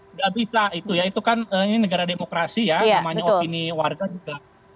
tidak bisa itu ya itu kan ini negara demokrasi ya namanya opini warga juga